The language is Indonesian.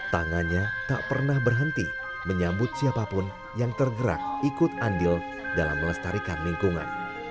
tangannya tak pernah berhenti menyambut siapapun yang tergerak ikut andil dalam melestarikan lingkungan